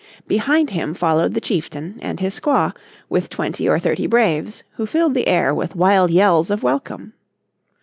Behind him followed the chieftain and his squaw, with twenty or thirty braves, who filled the air with wild yells of welcome.